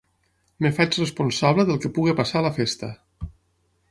Em faig responsable del que pugui passar a la festa.